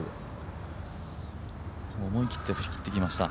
思い切って振り切ってきました。